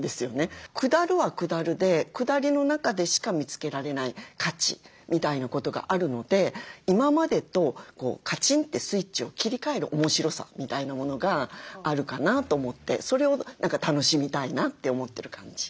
下るは下るで下りの中でしか見つけられない価値みたいなことがあるので今までとカチンってスイッチを切り替える面白さみたいなものがあるかなと思ってそれを楽しみたいなって思ってる感じ。